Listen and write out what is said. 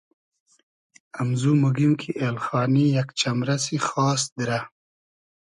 امزو موگیم کی ایلخانی یئگ چئمرئسی خاس دیرۂ